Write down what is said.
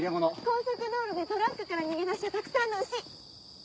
高速道路でトラックから逃げ出したたくさんの牛！